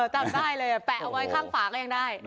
จำได้เลยแปะเอาไว้ข้างฝาก็ยังได้